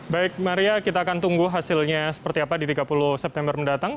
baik maria kita akan tunggu hasilnya seperti apa di tiga puluh september mendatang